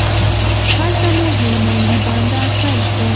هلته مو هلمندی بانډار پیل کړ.